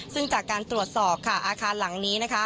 ซึ่งจากการตรวจสอบค่ะอาคารหลังนี้นะคะ